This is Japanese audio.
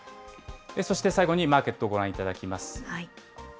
そして最後にマーケットご覧いただきます。